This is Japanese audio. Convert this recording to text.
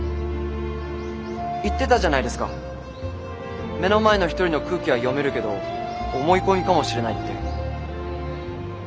言ってたじゃないですか目の前の一人の空気は読めるけど思い込みかもしれないって。